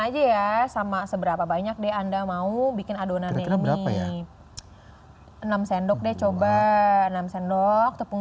aja ya sama seberapa banyak deh anda mau bikin adonannya ini enam sendok deh coba enam sendok tepung